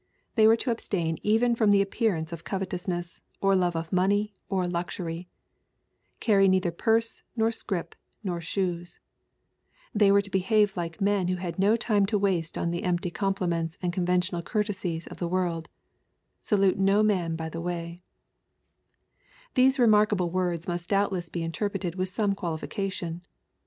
They were to abstain even from the appearance of covetousness, or love of money, or luxury :" Cany neither purse, nor scrip, nor shoes/' They were to behave like men who had no time to waste on the empty compliments and conventional courtesies of the world :" Salute no man by the way/' These remarkable words must doubtle^ be interpret ed with some qualification.